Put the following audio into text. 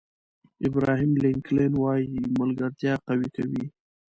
ابراهیم لینکلن وایي ملګرتیا قوي کوي.